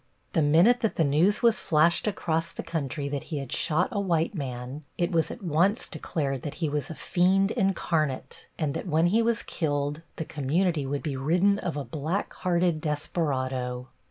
The minute that the news was flashed across the country that he had shot a white man it was at once declared that he was a fiend incarnate, and that when he was killed the community would be ridden of a black hearted desperado.